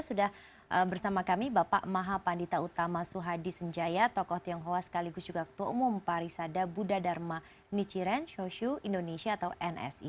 sudah bersama kami bapak maha pandita utama suhadi senjaya tokoh tionghoa sekaligus juga ketua umum parisada buddha dharma nichiren shoshu indonesia atau nsi